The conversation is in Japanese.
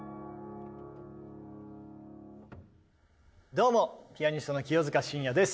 どうもピアニストの清塚信也です。